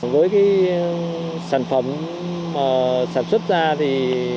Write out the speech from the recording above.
với cái sản phẩm mà sản xuất ra thì